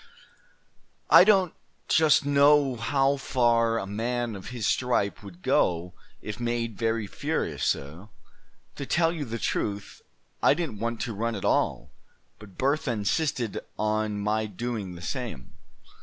"I don't just know how far a man of his stripe would go if made very furious, suh. To tell you the truth, I didn't want to run at all; but Bertha insisted on my doing the same.